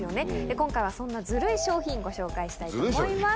今回はそんなズルい商品ご紹介したいと思います。